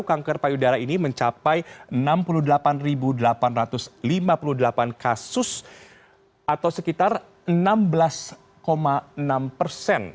kanker payudara ini mencapai enam puluh delapan delapan ratus lima puluh delapan kasus atau sekitar enam belas enam persen